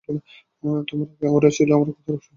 তোমার আগে ওরাই ছিল আমার একমাত্র পরিবার।